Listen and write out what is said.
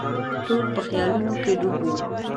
ټول په خیالونو کې ډوب وو.